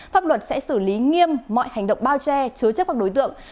pháp luật sẽ xử lý nghiêm mọi hành động bao che chứa chấp các đối tượng